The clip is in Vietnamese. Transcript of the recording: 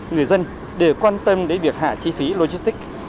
người dân đều quan tâm đến việc hạ chi phí logistic